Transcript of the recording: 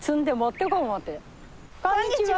こんにちは！